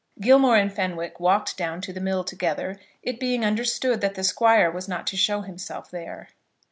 Gilmore and Fenwick walked down to the mill together, it being understood that the Squire was not to show himself there.